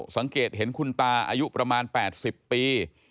สังเกตเห็นคุณตาอายุประมาณ๘๐ปี